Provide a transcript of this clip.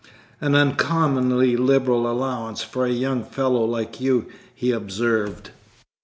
"An uncommonly liberal allowance for a young fellow like you," he observed.